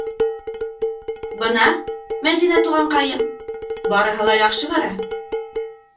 Бына, Мәҙинә туғанҡайым, барыһы ла яҡшы бара!